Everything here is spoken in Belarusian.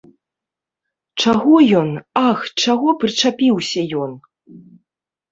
Чаго ён, ах, чаго прычапіўся ён!